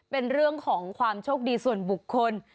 เป็นเรื่องของความโชคดีส่วนบุคคล